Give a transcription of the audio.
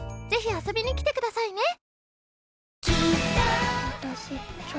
ぜひ遊びに来てくださいね。